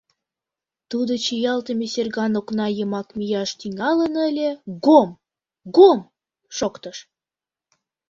Тудо чиялтыме серган окна йымак мияш тӱҥалын ыле, гом! гом! шоктыш.